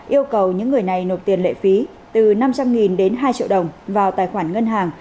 yêu cầu những người này nộp tiền lệ phí từ năm trăm linh đến hai triệu đồng vào tài khoản ngân hàng